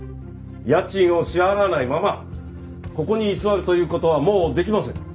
家賃を支払わないままここに居座るという事はもうできません。